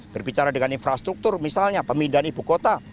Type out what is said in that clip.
berbicara dengan infrastruktur misalnya pemindahan ibu kota